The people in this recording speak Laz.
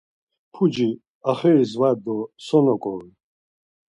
Puci axiris var do so noǩorun?